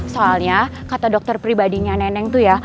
soalnya kata dokter pribadinya neneng itu ya